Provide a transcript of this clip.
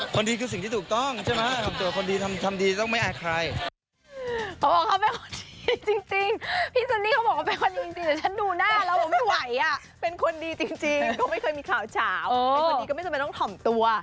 เป็นคนดีจริงก็ไม่เคยมีข่าวเฉาเป็นคนดีก็ไม่สำหรับต้องถ่อมตัว